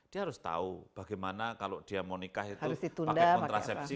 dia harus tahu bagaimana kalau dia mau nikah itu pakai kontrasepsi